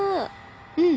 うん。